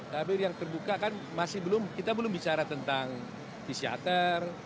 tabir yang terbuka kan kita belum bicara tentang psikiater